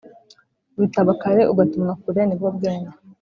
Witaba kare ugatumwa kure nibwo bwenge